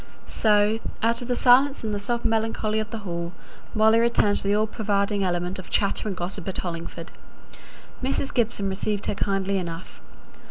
So out of the silence and the soft melancholy of the Hall Molly returned into the all pervading element of chatter and gossip at Hollingford. Mrs. Gibson received her kindly enough.